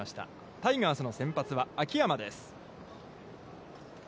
タイガースの先発は秋山です。